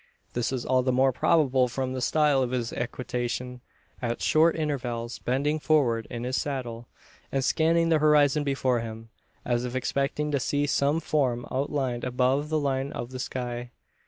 This was all the more probable from the style of his equitation at short intervals bending forward in his saddle, and scanning the horizon before him, as if expecting to see some form outlined above the line of the sky.